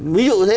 ví dụ thế